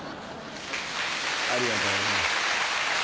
ありがとうございます。